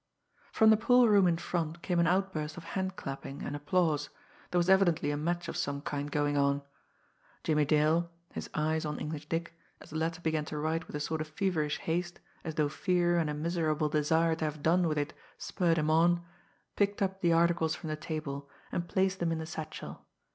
From the pool room in front came an outburst of hand clapping and applause there was evidently a match of some kind going on. Jimmie Dale, his eyes on English Dick, as the latter began to write with a sort of feverish haste as though fear and a miserable desire to have done with it spurred him on, picked up the articles from the table, and placed them in the satchel.